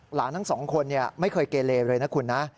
หลานทั้งสองคนไม่เคยเกเลเลยนะคุณนะ